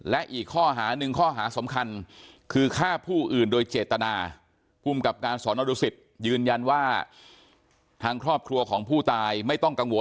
และอีกข้อหาหนึ่งข้อหาสำคัญคือฆ่าผู้อื่นโดยเจตนา